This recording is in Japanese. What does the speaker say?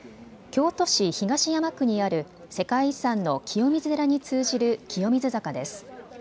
京都市東山区にある世界遺産の清水寺に通じる清水坂です。